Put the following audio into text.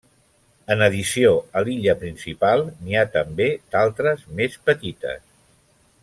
En addició a l'illa principal, n'hi ha també d'altres més petites.